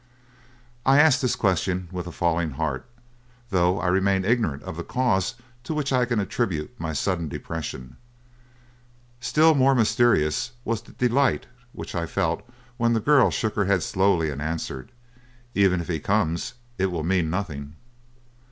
"I asked this question with a falling heart, though I remain ignorant of the cause to which I can attribute my sudden depression. Still more mysterious was the delight which I felt when the girl shook her head slowly and answered: 'Even if he comes, it will mean nothing.'